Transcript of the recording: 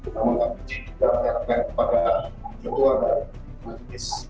namun kami juga menyampaikan kepada jodohan dari